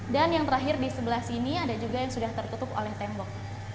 dan yang terakhir di sebelah sini ada juga yang sudah tertutup oleh tembok